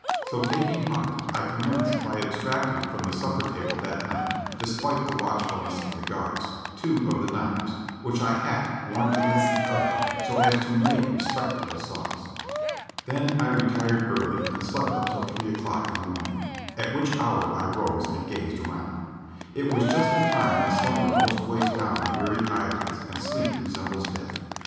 So taking heart I commenced by abstracting from the supper table that night, despite the watchfulness of the guards, two of the knives, which I hacked one against the other so as to make respectable saws. Then 1 retired early and slept until three o'clock in the morning, at which hour I rose and gazed around. It was just the time when slumber most weighs down the weary eye lids and sleep resembles death.